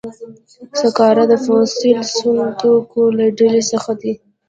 سکاره د فوسیل سون توکو له ډلې څخه دي.